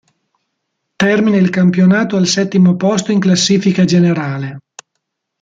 Termina il campionato al settimo posto in classifica generale.